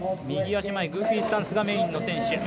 右足前、グーフィースタンスがメインの選手。